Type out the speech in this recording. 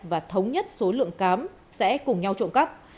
và thống nhất số lượng cám sẽ cùng nhau trộn cắt